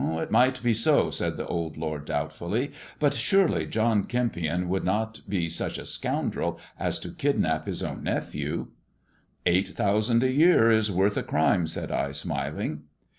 " It might be so," said the old lord doubtfully. " But surely John Kempion would not be such a scoundrel as to kidnap his own nephew." "Eight thousand a year is worth a crime," said I, smiling.